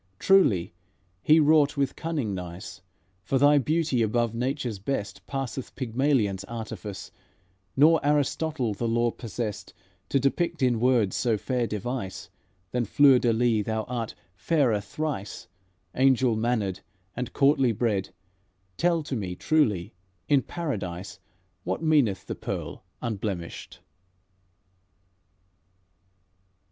Truly he wrought with cunning nice; For thy beauty, above nature's best, Passeth Pygmalion's artifice; Nor Aristotle the lore possessed To depict in words so fair device. Than fleur de lys thou art fairer thrice, Angel mannered and courtly bred, Tell to me truly: in Paradise What meaneth the pearl unblemished?"